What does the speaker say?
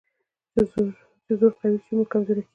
چې زور قوي شي، موږ کمزوري کېږو.